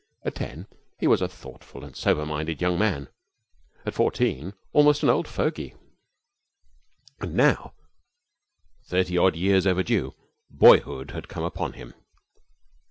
At ten he was a thoughtful and sober minded young man, at fourteen almost an old fogy. And now thirty odd years overdue boyhood had come upon him.